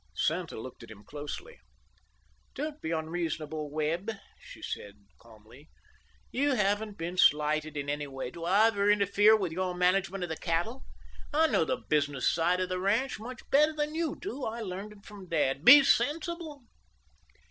Santa looked at him closely. "Don't be unreasonable, Webb," she said calmly. "You haven't been slighted in any way. Do I ever interfere in your management of the cattle? I know the business side of the ranch much better than you do. I learned it from Dad. Be sensible."